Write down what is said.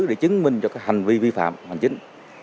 để chứng minh cho các hành vi vi phạm hành chính